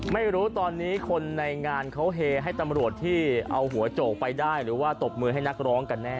ไม่รู้ตอนนี้คนในงานเขาเฮให้ตำรวจที่เอาหัวโจกไปได้หรือว่าตบมือให้นักร้องกันแน่